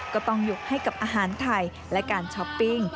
ก็ต้องยกให้กับอาหารไทยและการช้อปปิ้ง